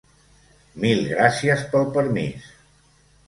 Mil gràcies pel permís.